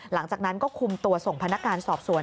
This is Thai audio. หลังจากนั้นก็คุมตัวส่งพนักงานสอบสวน